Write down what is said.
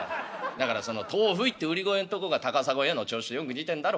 だからその『豆腐い』って売り声んとこが『高砂や』の調子とよく似てんだろ。